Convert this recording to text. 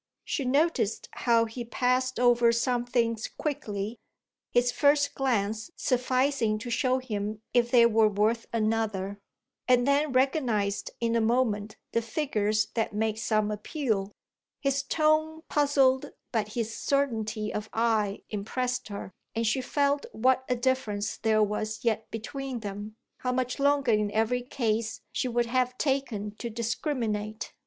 She noticed how he passed over some things quickly, his first glance sufficing to show him if they were worth another, and then recognised in a moment the figures that made some appeal. His tone puzzled but his certainty of eye impressed her, and she felt what a difference there was yet between them how much longer in every case she would have taken to discriminate.